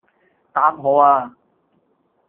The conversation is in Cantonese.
答我呀